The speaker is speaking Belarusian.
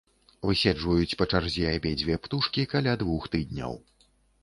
Выседжваюць па чарзе абедзве птушкі каля двух тыдняў.